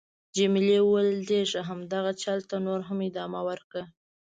جميلې وويل:: ډېر ښه. همدغه چل ته نور هم ادامه ورکړه.